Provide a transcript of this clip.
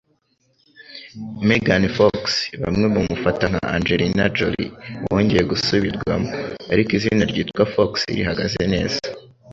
Megan Fox: Bamwe bamufata nka Angelina Jolie wongeye gusubirwamo, ariko izina ryitwa Fox rihagaze neza.